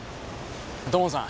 土門さん。